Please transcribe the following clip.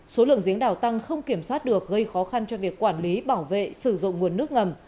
số lượng giếng đào tăng không kiểm soát được gây khó khăn cho việc quản lý bảo vệ sử dụng nguồn nước ngầm